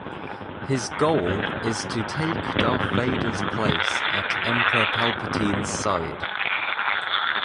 His goal is to take Darth Vader's place at Emperor Palpatine's side.